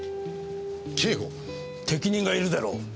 適任がいるだろう。